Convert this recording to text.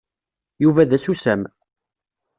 Yuba d asusam.